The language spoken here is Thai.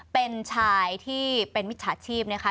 เป็นชายที่เป็นมิจฉาชีพนะคะ